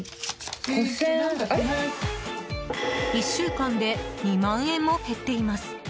１週間で２万円も減っています。